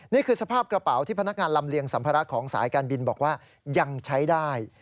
นี่คือสภาพกระเป๋าที่พนักงานลำเลียงสัมภาระของสายการบินบอกว่ายังใช้ได้